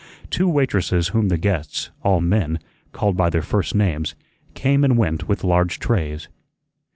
Two waitresses whom the guests all men called by their first names, came and went with large trays.